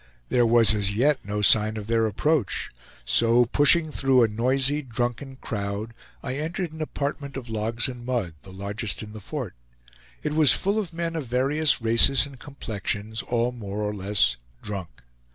There was as yet no sign of their approach; so pushing through a noisy, drunken crowd, I entered an apartment of logs and mud, the largest in the fort; it was full of men of various races and complexions, all more or less drunk.